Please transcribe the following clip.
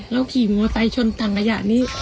แล้วขีมงสัยชนทางขณะอย่างนี้